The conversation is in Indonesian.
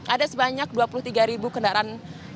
ada sebanyak dua puluh tiga ribu kendaraan